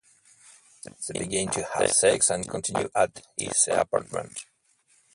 They begin to have sex and continue at his apartment.